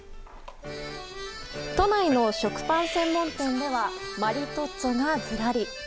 都内の食パン専門店ではマリトッツォがずらり。